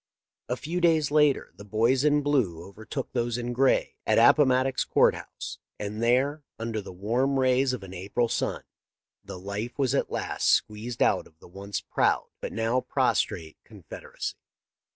A few days later the boys in blue overtook those in gray at Appomattox Court house, and there, under the warm rays of an April sun, the life was at last squeezed out of the once proud but now prostrate Confederacy.